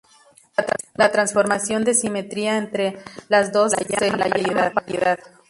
La transformación de simetría entre las dos se la llama paridad.